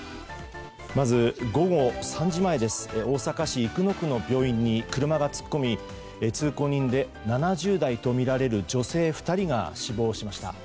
まず、午後３時前です大阪市生野区の病院に車が突っ込み、通行人で７０代とみられる女性２人が死亡しました。